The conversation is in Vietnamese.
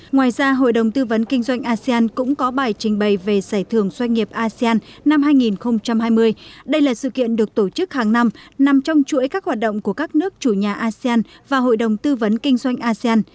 ngoài ra hội đồng tư vấn kinh doanh asean cũng có bài trình bày về giải thưởng doanh nghiệp asean năm hai nghìn hai mươi đây là sự kiện được tổ chức hàng năm nằm trong chuỗi các hoạt động của các nước chủ nhà asean và hội đồng tư vấn kinh doanh asean